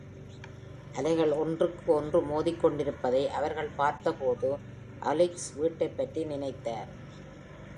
அலைகள் ஒன்றுக்கு ஒன்று மோதிக் கொண்டிருப்பதை அவர்கள் பார்த்தபோது, ஆலிஸ் வீட்டைப் பற்றி நினைத்தார்.